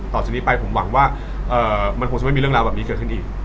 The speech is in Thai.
ต่อจากนี้ไปผมหวังว่ามันคงจะไม่มีเรื่องราวแบบนี้เกิดขึ้นอีก